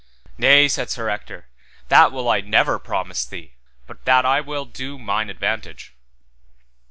Nay, said Sir Ector, that will I never promise thee, but that I will do mine advantage.